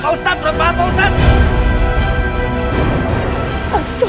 ustaz berambah pak ustadz